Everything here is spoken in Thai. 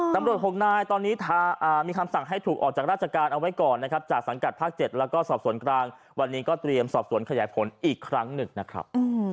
ตำรวจ๖นายตอนนี้มีคำสั่งให้ถูกออกจากราชการเอาไว้ก่อนนะครับจากสังกัดภาค๗แล้วก็สอบสวนกลางวันนี้ก็เตรียมสอบสวนขยายผลอีกครั้งหนึ่งนะครับ